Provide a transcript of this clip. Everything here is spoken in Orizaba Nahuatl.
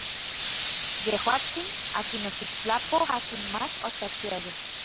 Yejuatsin, akin okixtlapoj akin mach otlachiaya.